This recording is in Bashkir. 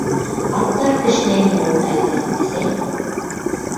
— Аттар кешнәйме ул әллә, әсәй?